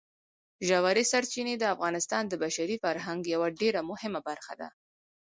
ژورې سرچینې د افغانستان د بشري فرهنګ یوه ډېره مهمه برخه ده.